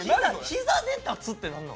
膝で立つって何なん？